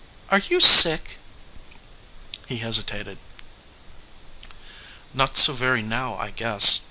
"Are you sick?" He hesitated. "Not so very now, I guess.